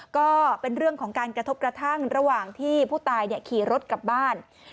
ก็เป็นเรื่องของการกระทบกระทั่งระหว่างที่ผู้ตายขี่รถกลับบ้าน